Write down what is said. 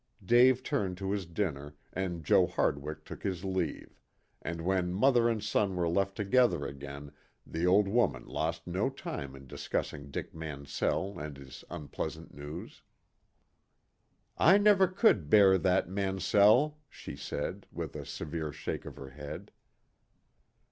Dave turned to his dinner and Joe Hardwig took his leave, and when mother and son were left together again the old woman lost no time in discussing Dick Mansell and his unpleasant news. "I never could bear that Mansell," she said, with a severe shake of her head.